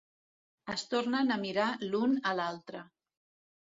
Es tornen a mirar l'un a l'altre.